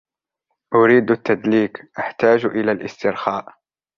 أريد التدليك. أحتاج إلى الاسترخاء.